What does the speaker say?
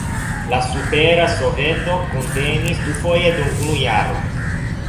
La Supera Soveto kunvenis dufoje dum unu jaro.